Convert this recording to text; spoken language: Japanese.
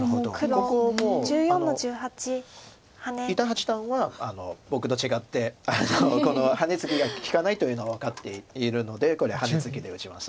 ここもう伊田八段は僕と違ってこのハネツギが利かないというのを分かっているのでこれハネツギで打ちます。